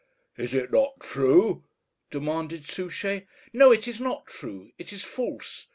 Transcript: "Is it not true?" demanded Souchey. "No, it is not true; it is false.